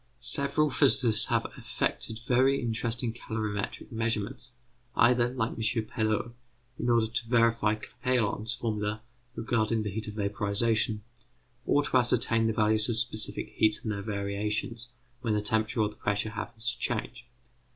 Several physicists have effected very interesting calorimetric measurements, either, like M. Perot, in order to verify Clapeyron's formula regarding the heat of vaporization, or to ascertain the values of specific heats and their variations when the temperature or the pressure happens to change.